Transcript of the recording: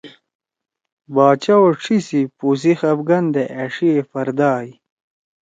باچا او ڇھی سی پو سی خفگان دے أݜی ئے پڑدا ائی۔